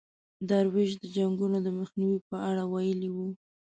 درویش د جنګونو د مخنیوي په اړه ویلي وو.